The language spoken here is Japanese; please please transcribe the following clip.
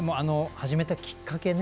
始めたきっかけね。